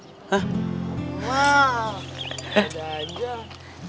wah beda aja